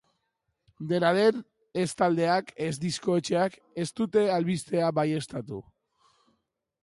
Dena den, ez taldeak, ez diskoetxeak, ez dute albistea baieztatu.